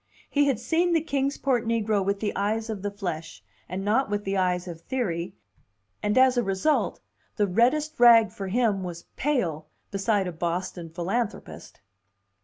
He had seen the Kings Port negro with the eyes of the flesh, and not with the eyes of theory, and as a result the reddest rag for him was pale beside a Boston philanthropist!